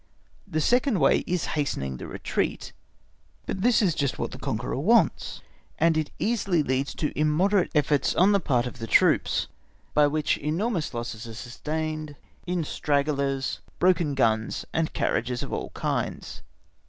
The second way is hastening the retreat; but this is just what the conqueror wants, and it easily leads to immoderate efforts on the part of the troops, by which enormous losses are sustained, in stragglers, broken guns, and carriages of all kinds.